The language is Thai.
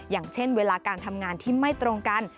อย่างเช่นเวลาการทำงานที่ไม่ตรงกัน